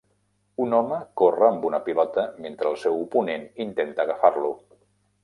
Un home corre amb una pilota mentre el seu oponent intenta agafar-lo.